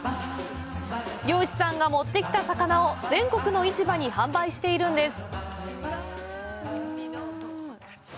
漁師さんが持ってきた魚を全国の市場に販売しているんです。